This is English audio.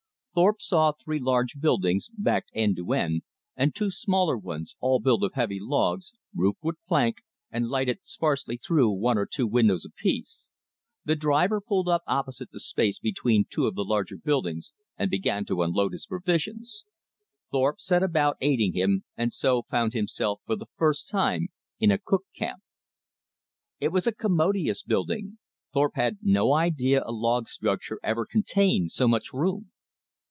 Thorpe saw three large buildings, backed end to end, and two smaller ones, all built of heavy logs, roofed with plank, and lighted sparsely through one or two windows apiece. The driver pulled up opposite the space between two of the larger buildings, and began to unload his provisions. Thorpe set about aiding him, and so found himself for the first time in a "cook camp." It was a commodious building, Thorpe had no idea a log structure ever contained so much room.